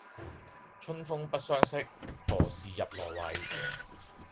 春風不相識，何事入羅幃